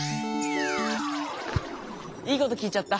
いいこと聞いちゃった。